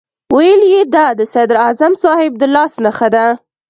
ویل یې دا د صدراعظم صاحب د لاس نښه ده.